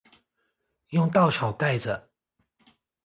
用稻草盖著